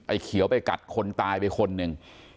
เขียวไปกัดคนตายไปคนหนึ่ง